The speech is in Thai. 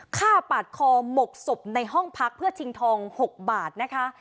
ฆ่าปาดคอหมกศพในห้องพักเพื่อชิงทอง๖บาทนะคะ